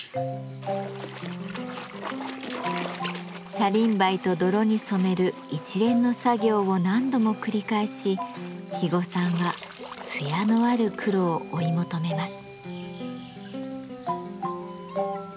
車輪梅と泥に染める一連の作業を何度も繰り返し肥後さんは艶のある黒を追い求めます。